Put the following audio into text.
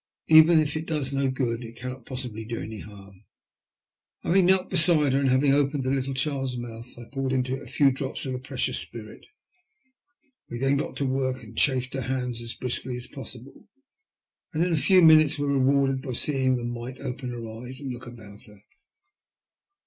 Even if it does no good, it cannot possibly do any harm." I knelt beside her, and having opened the little child's mouth, poured into it a few drops of the precious spirit. We then set to work and chafed her hands as briskly as possible, and in a few minutes were rewarded by seeing the mite open her eyes and look about her.